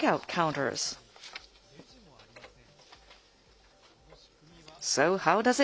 さらにレジもありません。